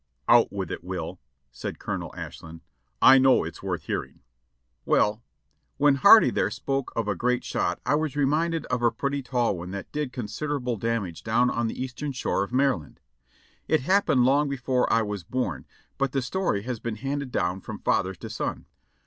"Out with it. Will," said Colonel Ashlin. "I know it's worth hearing." "Well, when Hardy there spoke of a great slwt I was reminded of a pretty tall one that did considerable damage down on the Eastern Shore of Maryland. It happened long before I was born, but the story has been handed down from father to son.